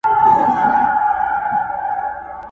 که پاچا دی که امیر ګورته رسیږي٫